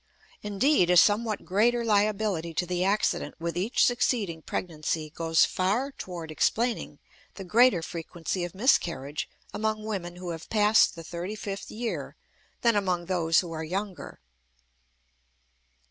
Indeed, a somewhat greater liability to the accident with each succeeding pregnancy goes far toward explaining the greater frequency of miscarriage among women who have passed the thirty fifth year than among those who are younger.